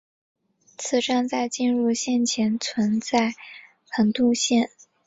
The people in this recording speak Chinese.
此站在进入线前存在横渡线。